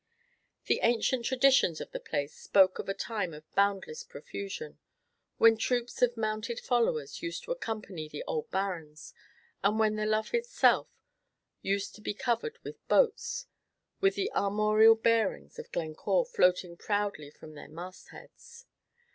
The ancient traditions of the place spoke of a time of boundless profusion, when troops of mounted followers used to accompany the old barons, and when the lough itself used to be covered with boats, with the armorial bearings of Glencore floating proudly from their mastheads.